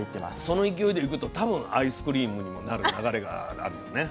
その勢いでいくとたぶんアイスクリームにもなる流れがあるよね。